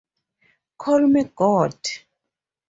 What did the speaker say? "Call me God".